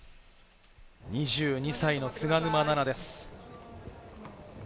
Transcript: ２２歳の菅沼菜々です。